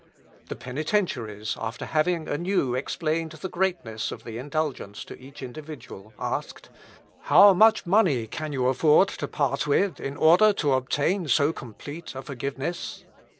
The penitentiaries, after having anew explained the greatness of the indulgence to each individual, asked, "How much money can you afford to part with, in order to obtain so complete a forgiveness?"